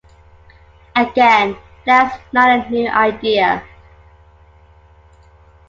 Again, that's not a new idea.